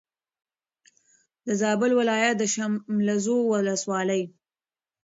د زابل ولایت د شملزو ولسوالي